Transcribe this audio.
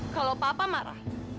kalau papa marah